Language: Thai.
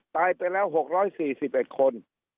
ตายไปแล้ว๖๔๑คน